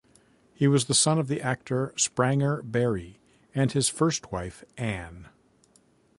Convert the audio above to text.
He was the son of the actor Spranger Barry and his first wife Anne.